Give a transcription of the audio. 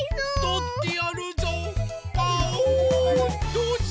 どうぞ！